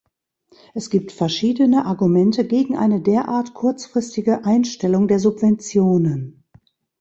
Es gibt verschiedene Argumente gegen ein derart kurzfristige Einstellung der Subventionen.